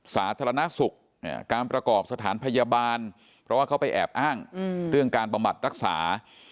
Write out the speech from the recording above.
สาธารณสุขการประกอบสถานพยาบาลเพราะว่าเขาไปแอบอ้างเรื่องการบำบัดรักษา